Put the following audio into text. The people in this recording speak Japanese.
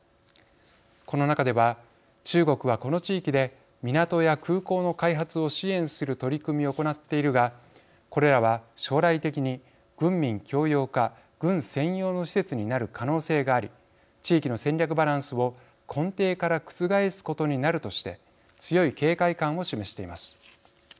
この中では中国はこの地域で港や空港の開発を支援する取り組みを行っているがこれらは将来的に軍民共用か軍専用の施設になる可能性があり地域の戦略バランスを根底から覆すことになるとして強い警戒感を示しています。